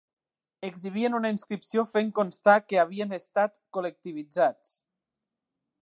Exhibien una inscripció fent constar que havien estat col·lectivitzats